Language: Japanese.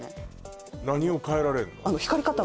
何を変えられるの？